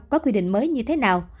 có quy định mới như thế nào